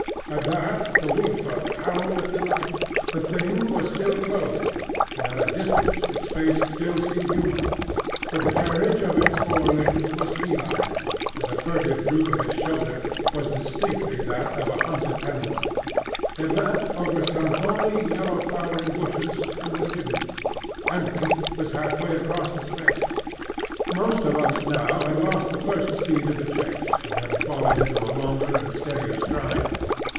At that the Wolf Folk howled with delight. The Thing was still clothed, and at a distance its face still seemed human; but the carriage of its four limbs was feline, and the furtive droop of its shoulder was distinctly that of a hunted animal. It leapt over some thorny yellow flowering bushes, and was hidden. M'ling was halfway across the space. Most of us now had lost the first speed of the chase, and had fallen into a longer and steadier stride.